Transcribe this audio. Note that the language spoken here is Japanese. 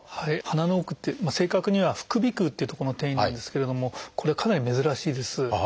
鼻の奥って正確には「副鼻腔」という所の転移なんですけれどもこれはかなり珍しいです。